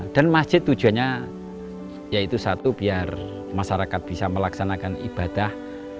dan masjid tujuannya yaitu satu biar masyarakat bisa melaksanakan ibadah